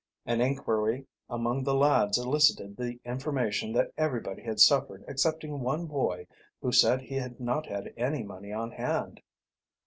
An inquiry among the lads elicited the information that everybody had suffered excepting one boy, who said he had not had any money on hand.